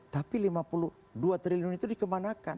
tapi lima puluh dua triliun itu dikemanakan